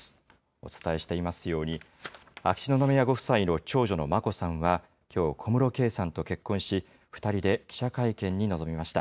お伝えしていますように、秋篠宮ご夫妻の長女の眞子さんは、きょう小室圭さんと結婚し、２人で記者会見に臨みました。